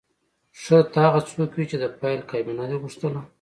ښه ته هغه څوک وې چې د فایل کابینه دې غوښتله